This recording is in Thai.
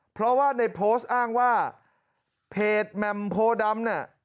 เพราะว่าในโพสต์อ้างว่าเพจแหม่มโพดำเนี่ย